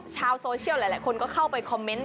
ชาวโซเชียลหลายคนก็เข้าไปคอมเมนต์